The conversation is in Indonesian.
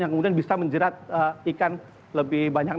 bagian ujung sendiri dalam artinya adalah sebuah kantong